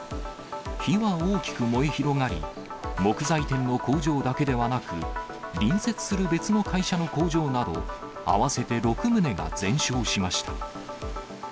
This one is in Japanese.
火は大きく燃え広がり、木材店の工場だけではなく、隣接する別の会社の工場など、合わせて６棟が全焼しました。